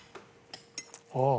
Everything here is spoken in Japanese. ああ。